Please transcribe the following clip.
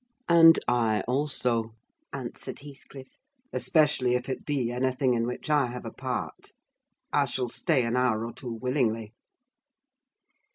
"And I also," answered Heathcliff, "especially if it be anything in which I have a part. I shall stay an hour or two willingly."